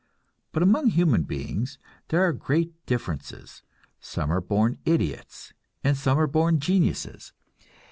But among human beings there are great differences; some are born idiots and some are born geniuses.